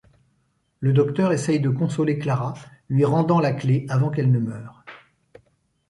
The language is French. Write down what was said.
Le Docteur essaie de consoler Clara, lui rendant la clé avant qu'elle ne meure.